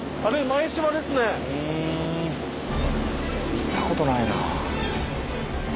行ったことないな。